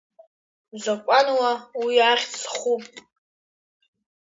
Закәанла уи ахьӡ зху!